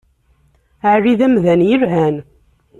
Ɛli d amdan yelhan.